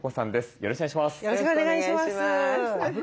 よろしくお願いします。